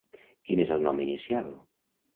Quin és el nom inicial?